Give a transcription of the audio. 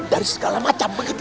dari segala macam begitu